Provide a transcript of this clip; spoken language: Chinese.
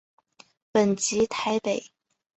本籍台北。